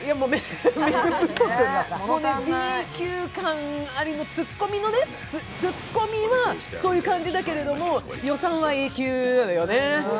もうＢ級感、ツッコミはそういう感じだけれども予算はＡ級なのよね。